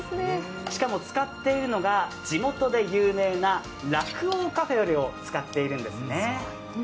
しかも使っているのが、地元で有名な酪王カフェオレを使っているんですね。